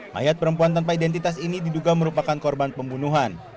mayat perempuan tanpa identitas ini diduga merupakan korban pembunuhan